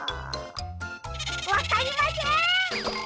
わかりません！